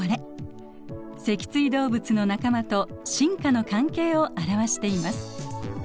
脊椎動物の仲間と進化の関係を表しています。